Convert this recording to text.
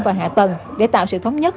và hạ tầng để tạo sự thống nhất